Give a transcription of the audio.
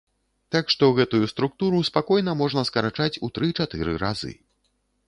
Так што гэтую структуру спакойна можна скарачаць у тры-чатыры разы.